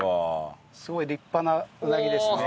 すごい立派なうなぎですね。